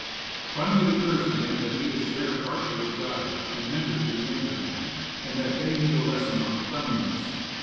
Finally it occurs to him that he is there partly as guide and mentor to the younger men, and that they need a lesson on cleanliness.